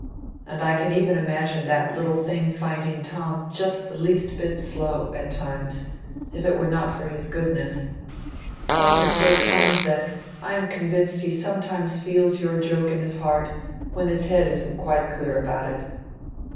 And I can even imagine that little thing finding Tom just the least bit slow, at times, if it were not for his goodness. Tom is so kind that I'm convinced he sometimes feels your joke in his heart when his head isn't quite clear about it.